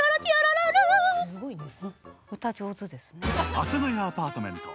「阿佐ヶ谷アパートメント」。